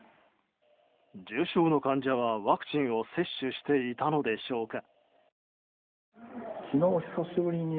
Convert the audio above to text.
重症の患者はワクチンを接種していたのでしょうか。